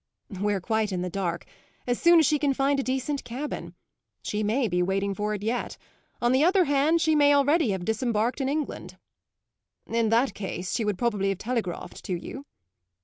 "We're quite in the dark; as soon as she can find a decent cabin. She may be waiting for it yet; on the other hand she may already have disembarked in England." "In that case she would probably have telegraphed to you."